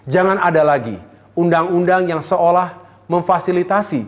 jangan ada lagi undang undang yang seolah memfasilitasi